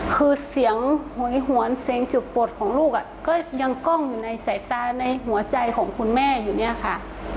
คือเสียงหวยหวนเสียงจุดปวดของลูกก็ยังกล้องอยู่ในสายตาในหัวใจของคุณแม่อยู่เนี่ยค่ะ